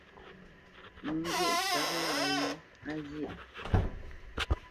Ŋo pyêʼ tsâp lâʼ yōa zyéʼ.